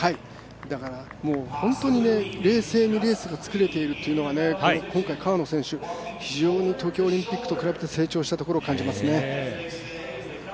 だからもう、本当に冷静にレースが作れているというのが今回、川野選手、非常に東京オリンピックと比べて成長したところを感じますね。